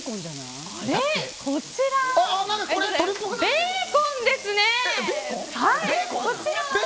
こちらベーコンですね。